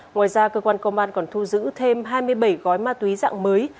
ngoài ra cơ quan công an còn thu giữ thêm hai mươi bảy gói ma túy dạng mới